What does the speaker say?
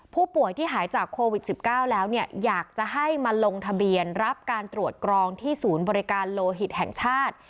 ผู้ป่วยที่หายจากโควิด๑๙แล้วเนี่ยอยากจะให้มาลงทะเบียนรับการตรวจกรองที่ศูนย์บริการโลหิตแห่งชาติ